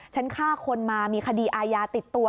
ฆ่าคนมามีคดีอาญาติดตัว